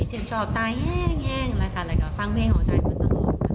เชียร์ชอบตายแย่งฟังเพลงของตายมันตลอด